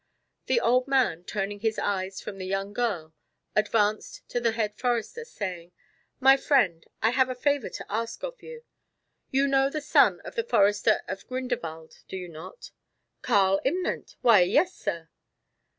The old man, turning his eyes from the young girl, advanced to the Head Forester, saying: "My friend, I have a favor to ask of you. You know the son of the forester of the Grinderwald, do you not?" "Karl Imnant, why yes, sir!"